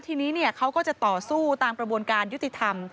ทีนี้เขาก็จะต่อสู้ตามกระบวนการยุติธรรม